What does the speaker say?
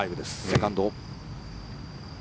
セカンド。